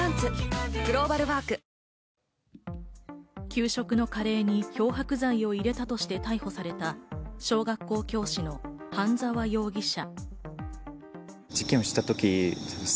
給食のカレーに漂白剤を入れたとして逮捕された、小学校教師の半沢容疑者。